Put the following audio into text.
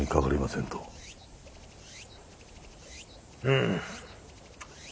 うん。